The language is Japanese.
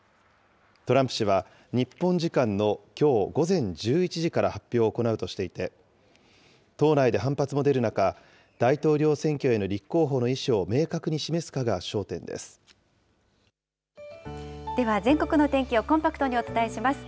トランプ氏は日本時間のきょう午前１１時から発表を行うとしていて、党内で反発も出る中、大統領選挙への立候補の意思を明確に示では、全国の天気をコンパクトにお伝えします。